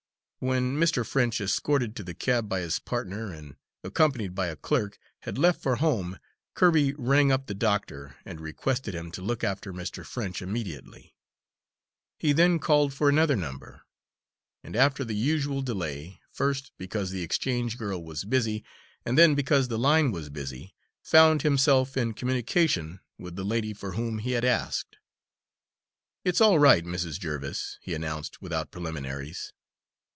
When Mr. French, escorted to the cab by his partner, and accompanied by a clerk, had left for home, Kirby rang up the doctor, and requested him to look after Mr. French immediately. He then called for another number, and after the usual delay, first because the exchange girl was busy, and then because the line was busy, found himself in communication with the lady for whom he had asked. "It's all right, Mrs. Jerviss," he announced without preliminaries.